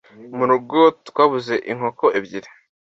mu rugo twabuze inkoko ebyiri